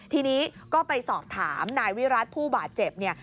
ทีนี้ก็ไปสอบถามนายวิรัติผู้บาดเจ็บเนี่ย